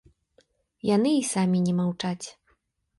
Яны і самі не маўчаць.